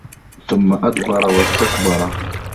ثُمَّ أَدبَرَ وَاستَكبَرَ